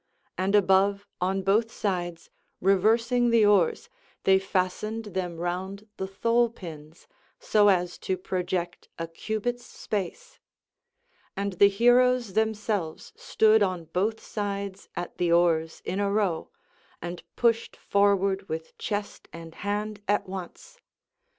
And above, on both sides, reversing the oars, they fastened them round the thole pins, so as to project a cubit's space. And the heroes themselves stood on both sides at the oars in a row, and pushed forward with chest and hand at once.